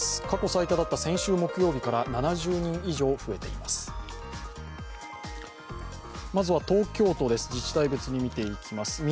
過去最多だった先週木曜日から７０人以上増えています。